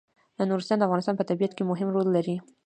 نورستان د افغانستان په طبیعت کې مهم رول لري.